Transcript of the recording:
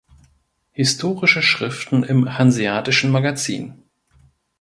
Historische Schriften im "Hanseatischen Magazin".